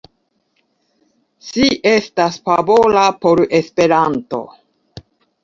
Ŝi estas favora por Esperanto.